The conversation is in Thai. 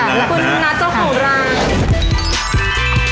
แล้วคุณนัทเจ้าของร้าน